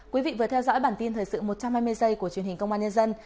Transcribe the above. quý vị vừa theo dõi bản tin thời sự một trăm hai mươi giây của truyền hình công an nhân dân